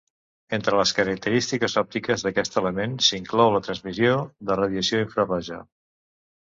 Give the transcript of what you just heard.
Entre les característiques òptiques d'aquest element, s'inclou la transmissió de radiació infraroja.